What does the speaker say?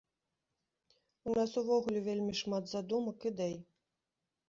У нас увогуле вельмі шмат задумак, ідэй.